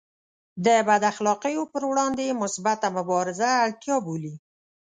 د بد اخلاقیو پر وړاندې مثبته مبارزه اړتیا بولي.